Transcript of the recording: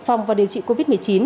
phòng và điều trị covid một mươi chín